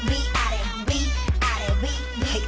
はい。